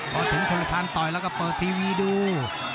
พอถึงชนทานต่อยแล้วก็เปิดทีวีดู